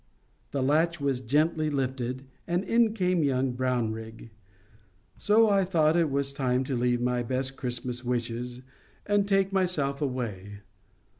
The latch was gently lifted, and in came young Brownrigg. So I thought it was time to leave my best Christmas wishes and take myself away.